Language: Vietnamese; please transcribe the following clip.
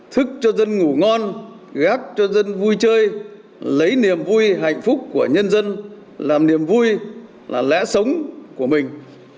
thức cho dân ngủ ngon gác cho dân vui chơi lấy niềm vui hạnh phúc của nhân dân làm niềm vui là lẽ sống của mình